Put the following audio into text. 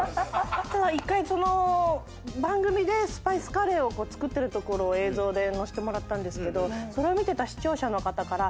１回その番組でスパイスカレーを作ってるところを映像で乗せてもらったんですけどそれを見てた視聴者の方から。